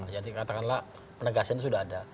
jadi katakanlah penegasan sudah ada